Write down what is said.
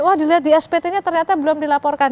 wah dilihat di spt nya ternyata belum dilaporkan